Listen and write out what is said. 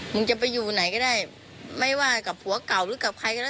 มึงจะไปอยู่ไหนก็ได้ไม่ว่ากับผัวเก่าหรือกับใครก็ได้